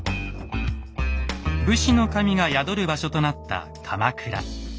武士の神が宿る場所となった鎌倉。